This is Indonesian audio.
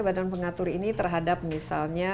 badan pengatur ini terhadap misalnya